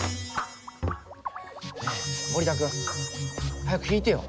ねえ森田君。早く引いてよ。